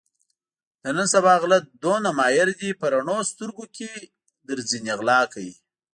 د نن سبا غله دومره ماهر دي په رڼو سترګو کې درځنې غلا کوي.